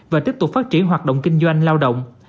và tiếp tục phát triển hoạt động kinh doanh lao động